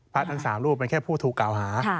ทั้ง๓รูปเป็นแค่ผู้ถูกกล่าวหา